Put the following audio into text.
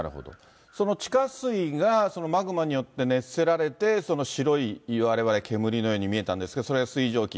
その地下水が、マグマによって熱せられて、その白い、われわれ煙のように見えたんですが、それが水蒸気。